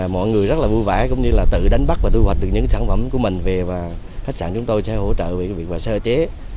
mọi người rất là vui vẻ cũng như là tự đánh bắt và thu hoạch được những sản phẩm của mình về và khách sạn chúng tôi sẽ hỗ trợ về việc sơ chế